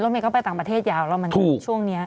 เราไม่เข้าไปต่างประเทศยาวแล้วมันช่วงนี้